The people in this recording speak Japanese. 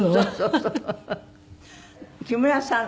木村さん